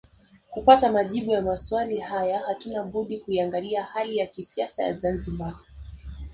Kupata majibu ya maswali haya hatuna budi kuiangalia hali ya kisiasa ya Zanzibar